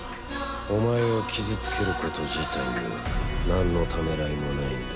お前を傷つけること自体には何のためらいもないんだ。